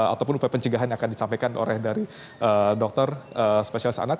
ataupun upaya pencegahan yang akan disampaikan oleh dari dokter spesialis anak